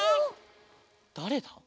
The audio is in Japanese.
だれだ？